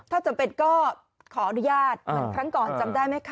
ถ้าจำเป็นก็ขออนุญาตเหมือนครั้งก่อนจำได้ไหมคะ